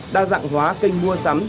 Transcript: đa dạng hóa kênh mua sắm